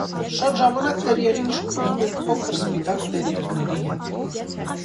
Շատ ժամանակ տերիերին շփոթում են փոքր, սպիտակ տերիերների հետ։